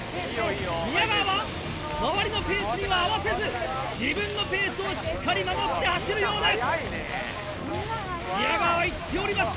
宮川は周りのペースには合わせず、自分のペースをしっかり守って走るようです。